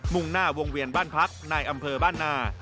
่งหน้าวงเวียนบ้านพักในอำเภอบ้านนา